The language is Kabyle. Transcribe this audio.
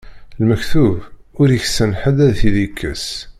Lmektub, ur iksan ḥedd ad t-id-ikkes.